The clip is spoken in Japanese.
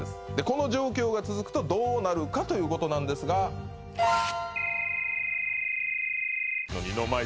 この状況が続くとどうなるかということなんですが何がや？